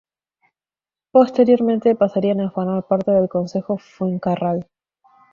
Posteriormente pasarían a formar parte del Consejo de Fuencarral.